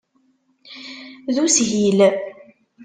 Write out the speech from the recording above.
D ushil.